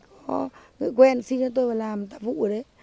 có người quen xin cho tôi làm tạm vụ ở đấy